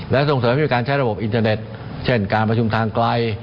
และส่งเสริมให้มีการใช้ระบบอินเทอร์เน็ตเช่นการประชุมทางไกล